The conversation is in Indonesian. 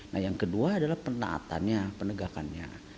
nah yang kedua adalah penaatannya penegakannya